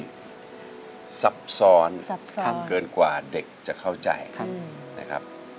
ที่สับซ้อนคำเกินกว่าเด็กจะเข้าใจนะครับ